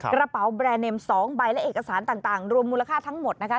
กระเป๋าแบรนดเนม๒ใบและเอกสารต่างรวมมูลค่าทั้งหมดนะคะ